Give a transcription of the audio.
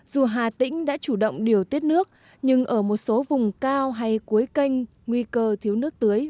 dù hà tĩnh đã chủ động điều tiết nước nhưng ở một số vùng cao hay cuối canh nguy cơ thiếu nước tưới